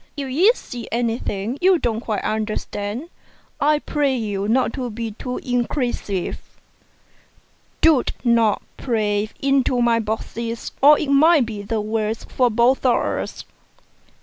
If you see anything you don't quite understand, I pray you not to be too inquisitive; don't pry into my boxes, or it may be the worse for both of us."